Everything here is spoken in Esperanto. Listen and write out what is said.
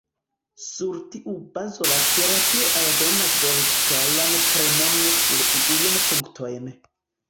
Sur tiu bazo la terapio aldonas vertikalan premon sur iujn punktojn.